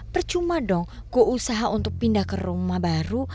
percuma dong ku usaha untuk pindah ke rumah baru